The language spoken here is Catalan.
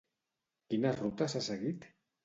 Quina ruta s'ha seguit?